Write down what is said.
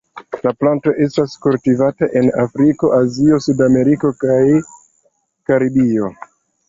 La planto estas kultivata en Afriko, Azio, Sudameriko kaj Karibio.